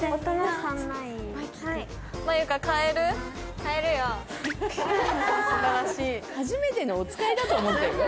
『はじめてのおつかい』だと思ってるの？